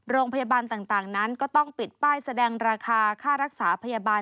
โรงพยาบาลต่างนั้นก็ต้องปิดป้ายแสดงราคาค่ารักษาพยาบาล